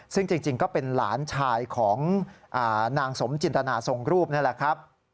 ซึ่งจริงก็เป็นหลานชายของนางสมจินตนาทรงรูปนี่แหละครับ